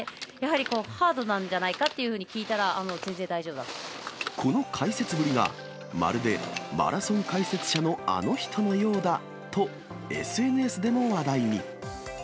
やはりハードなんじゃないかっていうふうに聞いたら、全然大丈夫この解説ぶりが、まるでマラソン解説者のあの人のようだと、ＳＮＳでも話題に。